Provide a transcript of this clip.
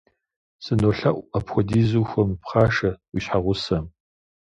СынолъэӀу, апхуэдизу ухуэмыпхъашэ уи щхьэгъусэм.